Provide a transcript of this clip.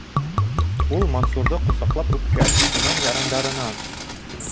Ул Мансурҙы ҡосаҡлап үпкән, шунан ярандарынан: